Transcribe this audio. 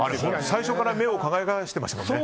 最初から目を輝かせてましたね。